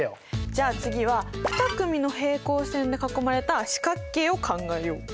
じゃあ次は２組の平行線で囲まれた四角形を考えよう。え？